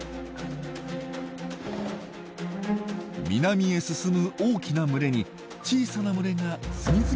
南へ進む大きな群れに小さな群れが次々と合流していきます。